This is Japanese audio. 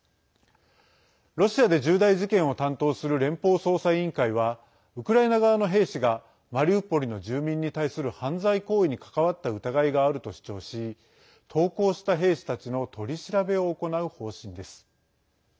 ロシアで重大事件を担当する連邦捜査委員会はウクライナ側の兵士がマリウポリの住民に対する犯罪行為に関わった疑いがあると主張し投降した兵士たちの取り調べを行う方針です。